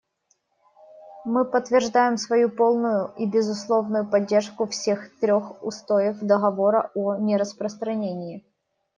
Мы подтверждаем свою полную и безусловную поддержку всех трех устоев Договора о нераспространении.